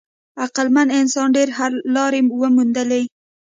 عقلمن انسان ډېرې حل لارې وموندلې.